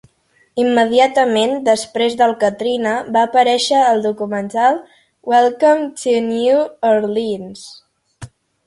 Immediatament després del Katrina, va aparèixer al documental "Welcome to New Orleans".